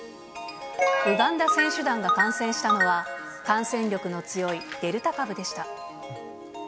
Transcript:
ウガンダ選手団が感染したのは、感染力の強いデルタ株でした。